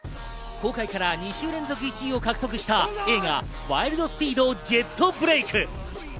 公開から２週連続で１位を獲得した映画『ワイルド・スピード／ジェットブレイク』。